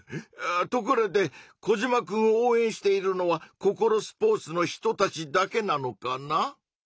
ところでコジマくんを応えんしているのはココロスポーツの人たちだけなのかな？